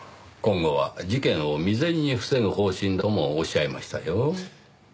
今後は事件を未然に防ぐ方針だともおっしゃいましたよ。